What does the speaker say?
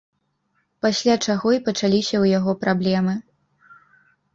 Пасля чаго і пачаліся ў яго праблемы.